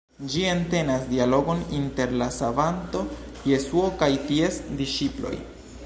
Ĝi entenas dialogon inter la Savanto Jesuo kaj ties disĉiploj.